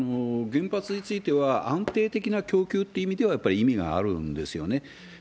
原発については、安定的な供給って意味では、やっぱり意味があるんですよね。